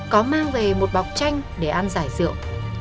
có mang về một bọc tranh để ăn giải rượu